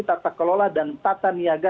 tata kelola dan tata niaga